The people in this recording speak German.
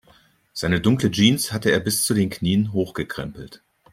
Seine dunkle Jeans hatte er bis zu den Knien hochgekrempelt.